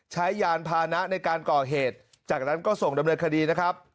ยานพานะในการก่อเหตุจากนั้นก็ส่งดำเนินคดีนะครับ